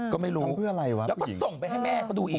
ก็ไม่รู้แล้วก็ส่งไปให้แม่เขาดูอีก